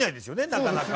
なかなか。